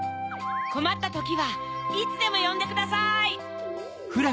こまったときはいつでもよんでください！